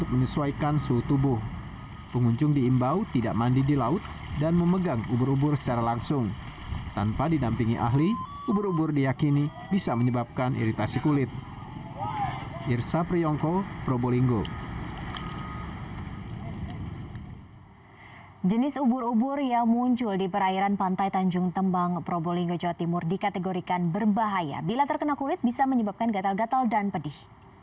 perikan berbahaya bila terkena kulit bisa menyebabkan gatal gatal dan pedih